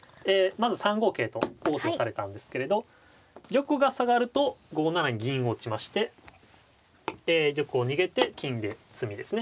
まず３五桂と王手をされたんですけれど玉が下がると５七銀を打ちましてえ玉を逃げて金で詰みですね。